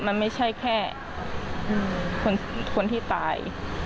มันไม่ใช่แค่คนที่ตาย